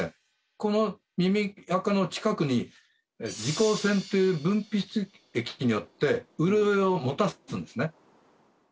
この耳アカの近くに耳垢腺という分泌液によって潤いをもたすんですね